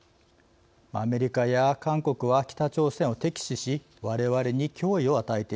「アメリカや韓国は北朝鮮を敵視しわれわれに脅威を与えている。